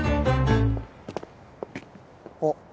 あっ。